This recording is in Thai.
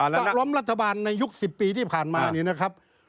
จะล้อมรัฐบาลในยุค๑๐ปีที่ผ่านมาเนี่ยนะครับ